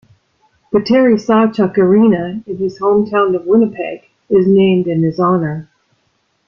The Terry Sawchuk Arena in his hometown of Winnipeg is named in his honour.